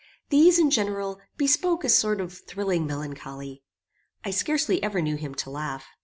These, in general, bespoke a sort of thrilling melancholy. I scarcely ever knew him to laugh.